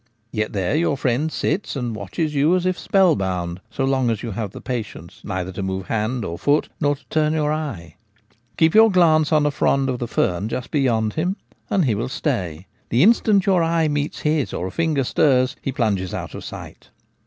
Yet there your friend sits and watclies you as if spell bound, so long as you have the patience neither to move hand or foot Cuckoo Trying an Echo. 83 nor to turn your eye. Keep your glance on a frond of the fern just beyond him, and he will stay. The instant your eye meets his or a finger stirs, he plunges out of sight.